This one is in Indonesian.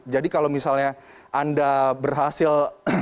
jadi kalau misalnya anda berhasil